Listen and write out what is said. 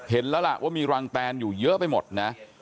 เห็นแล้วล่ะว่ามีรังแตนอยู่เยอะไปหมดนะ